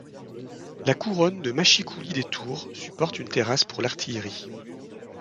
La couronne de mâchicoulis des tours supporte une terrasse pour l'artillerie.